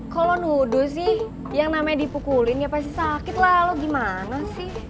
kalau nuduh sih yang namanya dipukulin ya pasti sakit lah lo gimana sih